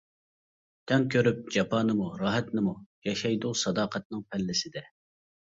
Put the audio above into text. تەڭ كۆرۈپ جاپانىمۇ، راھەتنىمۇ، ياشايدۇ ساداقەتنىڭ پەللىسىدە.